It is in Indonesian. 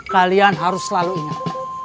kalian harus selalu ingat